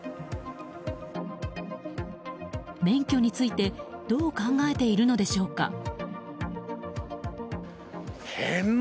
免許についてどう考えているのでしょうか。